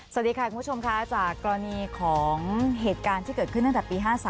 สวัสดีค่ะคุณผู้ชมค่ะจากกรณีของเหตุการณ์ที่เกิดขึ้นตั้งแต่ปี๕๓